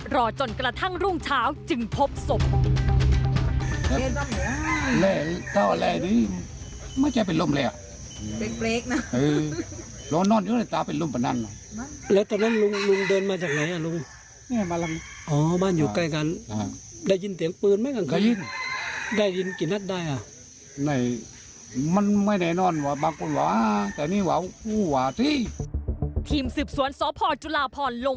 รอจนกระทั่งรุ่งเช้าจึงพบศพ